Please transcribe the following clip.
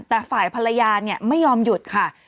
แต่ฝ่ายภรรยาไม่ยอมหยุดค่ะ